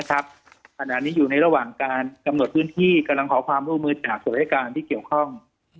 ขณะนี้อยู่ในระหว่างการกำหนดพื้นที่กำลังขอความร่วมมือจากส่วนรายการที่เกี่ยวข้อง